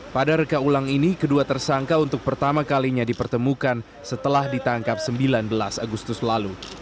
pada reka ulang ini kedua tersangka untuk pertama kalinya dipertemukan setelah ditangkap sembilan belas agustus lalu